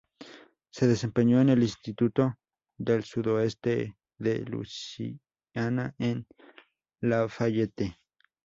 Se desempeñó en el Instituto del Sudoeste de Luisiana en Lafayette.